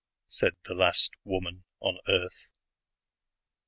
said the last woman on earth.